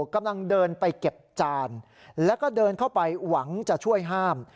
กำลังเดินไปเก็บจานแล้วก็เดินเข้าไปหวังจะช่วยห้าม